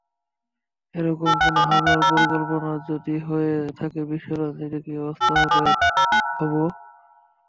এরকম কোনো হামলার পরিকল্পনা যদি হয়ে থাকে বিশ্ব রাজনীতির কী অবস্থা হবে ভাবো।